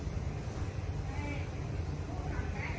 สวัสดีครับ